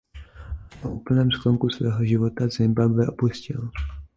Až na úplném sklonku svého života Zimbabwe opustil.